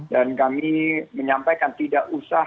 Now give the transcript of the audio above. dan kami menyampaikan tidak usah